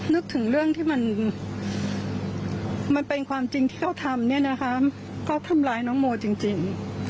นึกถึงเรื่องที่มันเป็นความจริงที่เขาทำเนี่ยนะคะเขาทำร้ายน้องโมจริง